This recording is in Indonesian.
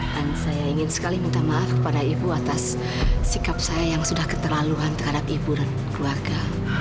dan saya ingin sekali minta maaf kepada ibu atas sikap saya yang sudah keterlaluan terhadap ibu dan keluarga